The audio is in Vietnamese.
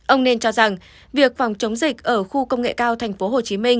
ông nên cho rằng việc phòng chống dịch ở khu công nghệ cao tp hcm